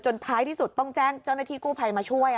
ท้ายที่สุดต้องแจ้งเจ้าหน้าที่กู้ภัยมาช่วย